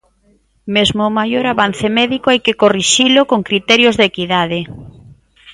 Mesmo o maior avance médico hai que corrixilo con criterios de equidade.